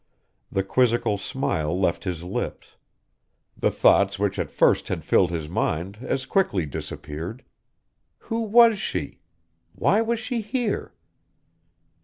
The quizzical smile left his lips. The thoughts which at first had filled his mind as quickly disappeared. Who was she? Why was she here?